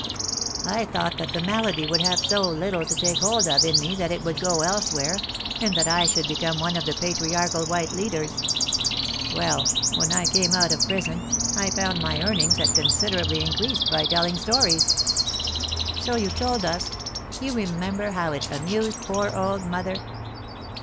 "I thought that the malady would have so little to take hold of in me that it would go elsewhere, and that I should become one of the patriarchal white leaders. Well, when I came out of prison, I found my earnings had considerably increased by telling stories." "So you told us. You remember how it amused poor old mother?"